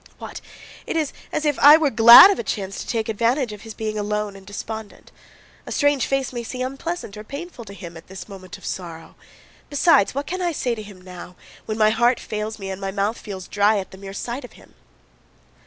"What! It is as if I were glad of a chance to take advantage of his being alone and despondent! A strange face may seem unpleasant or painful to him at this moment of sorrow; besides, what can I say to him now, when my heart fails me and my mouth feels dry at the mere sight of him?"